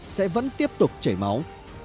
sẽ vẫn tiếp tục chảy máu